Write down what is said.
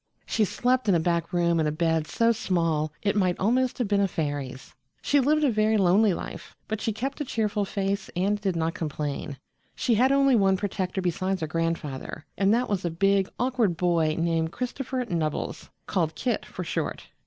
She slept in a back room in a bed so small it might almost have been a fairy's. She lived a very lonely life, but she kept a cheerful face and did not complain. She had only one protector besides her grandfather, and that was a big, awkward boy named Christopher Nubbles, called Kit for short.